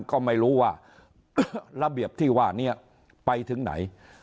ก็ไม่รู้ว่าระเบียบที่ว่านี้ไปถึงไหน